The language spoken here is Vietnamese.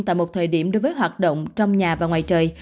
tại một thời điểm đối với hoạt động trong nhà và ngoài trời